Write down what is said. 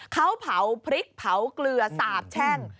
เขาเผาพริกเผาเกลือสาบแช่ง